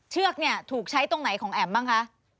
เชือกเนี่ยถูกใช้ตรงไหนของแอ๋มบ้างคะ